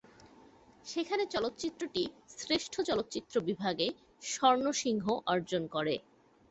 সেখানে চলচ্চিত্রটি শ্রেষ্ঠ চলচ্চিত্র বিভাগে স্বর্ণ সিংহ অর্জন করে।